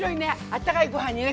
あったかいご飯にね